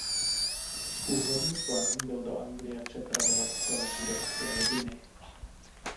Původní plán byl do Anglie přepravovat celé židovské rodiny.